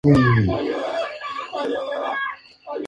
Drosera sect.